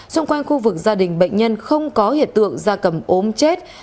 xung quanh khu vực gia đình bệnh nhân không có hiện tượng da cầm ốm chết